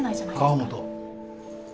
河本。